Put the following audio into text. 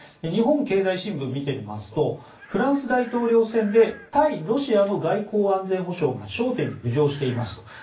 日本経済新聞を見てみるとフランス大統領選で対ロシアの外交・安全保障が焦点に浮上していますと。